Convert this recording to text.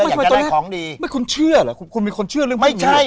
อยากจะได้ของดีไม่คุณเชื่อเหรอคุณมีคนเชื่อหรือไม่เชื่อ